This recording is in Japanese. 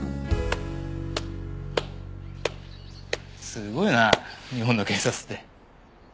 すごいな日本の警察って。